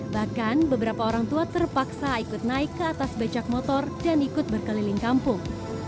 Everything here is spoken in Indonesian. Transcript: bahkan beberapa orang tua terpaksa ikut naik ke atas becak motor dan ikut berkeliling kampung